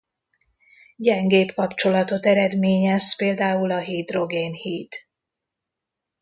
Gyengébb kapcsolatot eredményez például a hidrogén-híd.